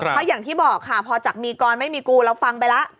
เพราะอย่างที่บอกค่ะพอจากมีกรไม่มีกูเราฟังไปแล้ว